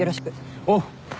おう。